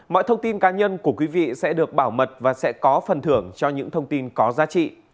mọi thông tin cá nhân của quý vị sẽ được bảo mật và sẽ có phần thưởng cho những thông tin có giá trị